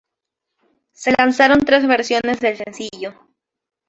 Se lanzaron tres versiones del sencillo.